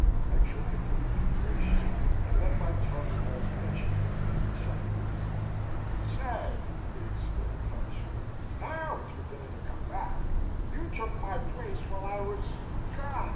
I tried to look ingratiating and let my tongue loll fetchingly out of the side of my mouth. "Say!" he exclaimed harshly. "Now it's beginning to come back. You took my place while I was God!